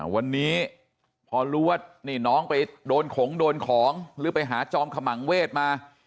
วันนี้พอรู้ว่านี่น้องไปโดนของโดนของหรือไปหาจอมขมังเวทมา